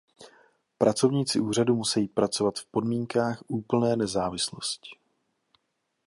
Pracovníci úřadu musejí pracovat v podmínkách úplné nezávislosti.